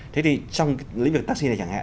trong lĩnh vực taxi này chẳng hạn